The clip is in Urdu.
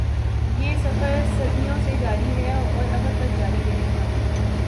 یہ سفر صدیوں سے جاری ہے اور ابد تک جاری رہے گا۔